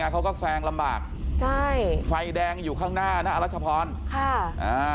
เขาก็แซงลำบากใช่ไฟแดงอยู่ข้างหน้านะอรัชพรค่ะอ่า